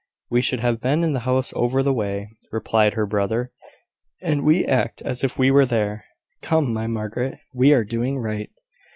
"We should have been in the house over the way," replied her brother; "and we act as if we were there. Come, my Margaret, we are doing right."